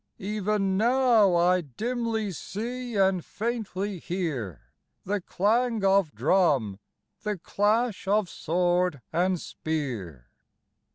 Even now I dimly see and faintly hear The clang of drum, the clash of sword and spear."